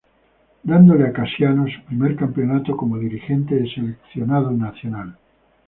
Dándole a Casiano su primer campeonato como dirigente del Seleccionado Nacional.